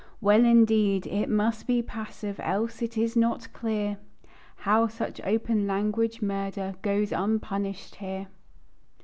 Well, indeed, it must be passive, Else it is not clear How such open language murder, Goes unpunished here.